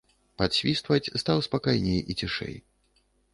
Падсвістваць стаў спакайней і цішэй.